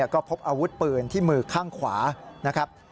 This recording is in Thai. ก็พบอาวุธปืนที่มือข้างขวานะครับ